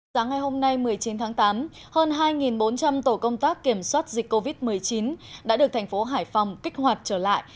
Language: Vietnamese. sáng ngày hôm nay một mươi chín tháng tám hơn hai bốn trăm linh tổ công tác kiểm soát dịch covid một mươi chín đã được thành phố hải phòng kích hoạt trở lại